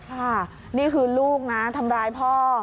ค่ะนี่คือลูกนะทำร้ายพ่อ